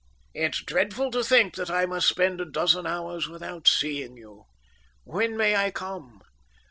"It's dreadful to think that I must spend a dozen hours without seeing you. When may I come?"